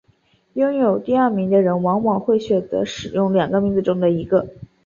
拥有第二名的人往往会选择使用两个名字中的一个。